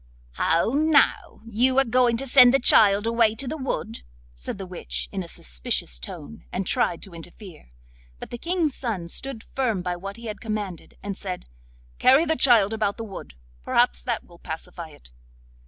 'How now? you are going to send the child away to the wood?' said the witch in a suspicious tone, and tried to interfere. But the King's son stood firm by what he had commanded, and said: 'Carry the child about the wood; perhaps that will pacify it.